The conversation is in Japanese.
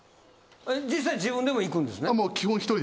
実際自分でも行くんですね？